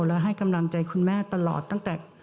และให้กำลังใจคุณแม่ตลอดตั้งแต่